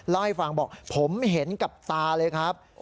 เล่าให้ฟังบอกผมเห็นกับตาเลยครับ